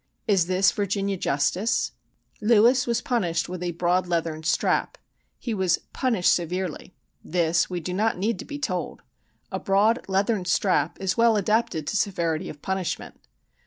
Is this Virginia justice? Lewis was punished with "a broad leathern strap,"—he was "punished severely:" this we do not need to be told. A "broad leathern strap" is well adapted to severity of punishment.